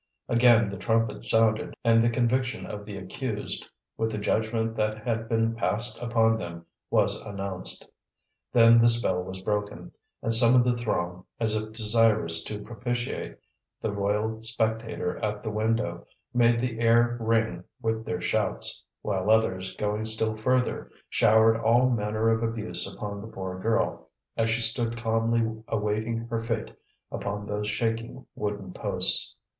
Again the trumpets sounded, and the conviction of the accused, with the judgment that had been passed upon them, was announced. Then the spell was broken, and some of the throng, as if desirous to propitiate the royal spectator at the window, made the air ring with their shouts; while others, going still further, showered all manner of abuse upon the poor girl, as she stood calmly awaiting her fate upon those shaking wooden posts.